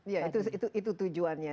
ya itu tujuannya